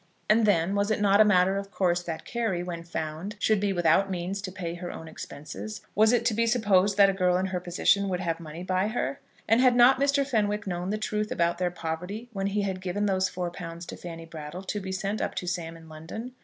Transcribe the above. And then, was it not a matter of course that Carry, when found, should be without means to pay her own expenses? Was it to be supposed that a girl in her position would have money by her. And had not Mr. Fenwick known the truth about their poverty when he had given those four pounds to Fanny Brattle to be sent up to Sam in London?